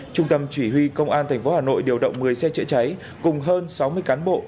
trung tâm chỉ huy công an tp hà nội điều động một mươi xe chữa cháy cùng hơn sáu mươi cán bộ